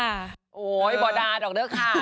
บิโดยดาลเหรอคะ